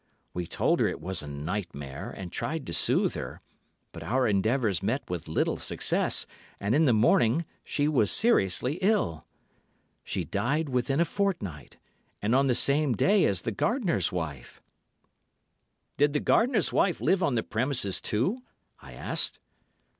We told her it was a nightmare, and tried to soothe her, but our endeavours met with little success, and in the morning she was seriously ill. She died within a fortnight, and on the same day as the gardener's wife." "Did the gardener's wife live on the premises, too?" I asked.